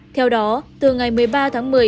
theo đó từ ngày một mươi ba tháng một mươi